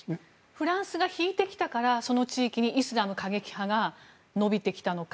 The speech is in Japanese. フランスが引いてきたからその地域にイスラム過激派が伸びてきたのか。